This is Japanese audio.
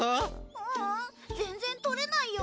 ううん全然捕れないよ。